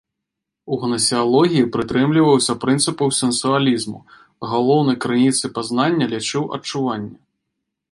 У гнасеалогіі прытрымліваўся прынцыпаў сенсуалізму, галоўнай крыніцай пазнання лічыў адчуванне.